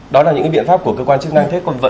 đó là những biện pháp của cơ quan chức năng